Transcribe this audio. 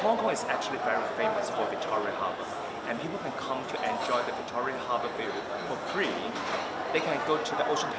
hongkong sebenarnya sangat terkenal untuk harbour victoria dan orang orang bisa datang untuk menikmati harbour victoria secara gratis